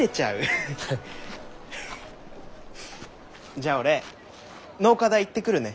じゃあ俺農科大行ってくるね。